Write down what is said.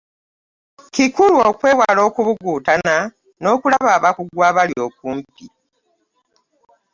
Kikulu okwewala okubuguutana n'okulaba abakugu abali okumpi